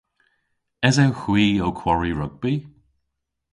Esewgh hwi ow kwari rugbi?